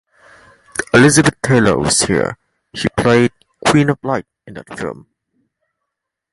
Elizabeth Taylor was here; she played "Queen of light" in that film.